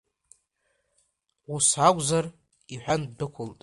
Ус акәзар, — иҳәан ддәықәылт.